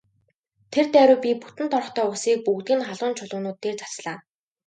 Тэр даруй би бүтэн торхтой усыг бүгдийг нь халуун чулуунууд дээр цацлаа.